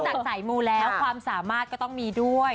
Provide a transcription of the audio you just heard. จากสายมูแล้วความสามารถก็ต้องมีด้วย